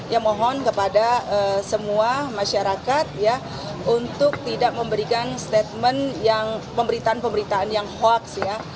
ya mohon kepada semua masyarakat ya untuk tidak memberikan statement yang pemberitaan pemberitaan yang hoax ya